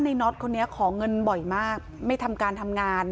น็อตคนนี้ขอเงินบ่อยมากไม่ทำการทำงาน